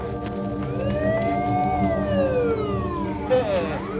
ええ。